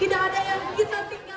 tidak ada yang kita tinggalkan